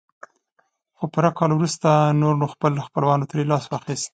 خو پوره کال وروسته نور نو خپل خپلوانو ترې لاس واخيست.